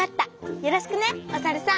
よろしくねおさるさん！